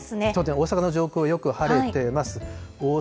大阪の上空はよく晴れています。